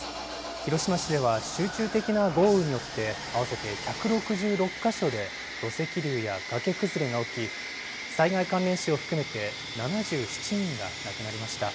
広島市では集中的な豪雨によって、合わせて１６６か所で土石流や崖崩れが起き、災害関連死を含めて７７人が亡くなりました。